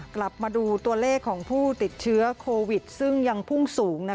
กลับมาดูตัวเลขของผู้ติดเชื้อโควิดซึ่งยังพุ่งสูง